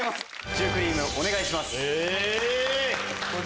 シュークリームお願いします。